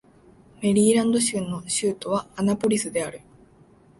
メリーランド州の州都はアナポリスである